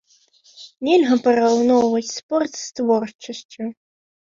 Нельга параўноўваць спорт з творчасцю.